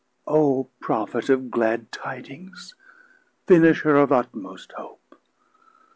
O Prophet of glad tidings, finisher Of utmost hope!